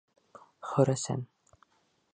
— Хөрәсән!